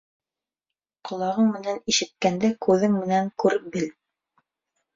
Ҡолағың менән ишеткәнде күҙең менән күреп бел.